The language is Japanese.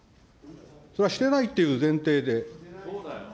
それはしてないっていう前提で、だ